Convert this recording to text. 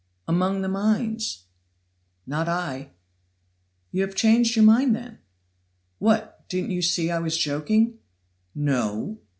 "Among the mines." "Not I." "You have changed your mind, then?" "What, didn't you see I was joking?" "No!"